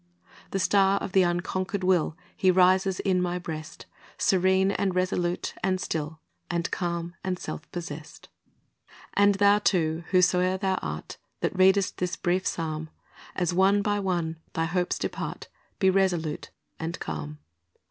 The star of the unconquered will, He rises in my breast, Serene, and resolute, and still, And calm, and self possessed. And thou, too, whosoe'er thou art, That readest this brief psalm, As one by one thy hopes depart, Be resolute and calm.